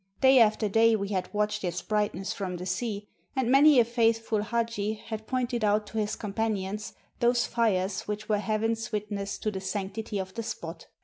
Day after day we had watched its brightness from the sea, and many a faithful hdji had pointed out to his companions those fires which were Heaven's witness to the sanctity of the spot.